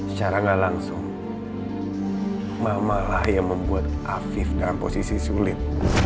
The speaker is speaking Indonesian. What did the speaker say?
secara gak langsung mama lah yang membuat afif dalam posisi sulit